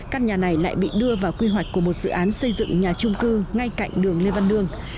căn nhà này lại bị đưa vào quy hoạch của một dự án xây dựng nhà trung cư ngay cạnh đường lê văn lương